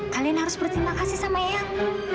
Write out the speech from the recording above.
kalian harus berterima kasih sama ayahku